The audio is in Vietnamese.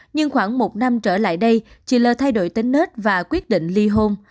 nhưng khoảng một năm trở lại đây chị l thay đổi tính nết và quyết định ly hôn